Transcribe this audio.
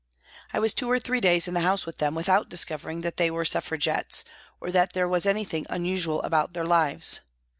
I was two or three days in the house with them without dis covering that they were Suffragettes or that there was anything unusual about their lives.